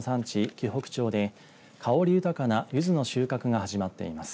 鬼北町で香り豊かなゆずの収穫が始まっています。